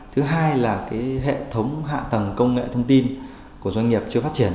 thứ hai là hệ thống hạ tầng công nghệ thông tin của doanh nghiệp chưa phát triển